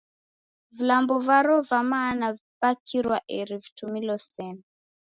Vilambo varo va mana vakirwa eri vitumilo sena.